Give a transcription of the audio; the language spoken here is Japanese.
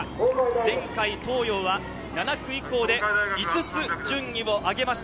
前回、東洋は７区以降で５つ順位を上げました。